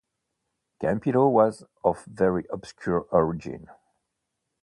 Campillo was of very obscure origin.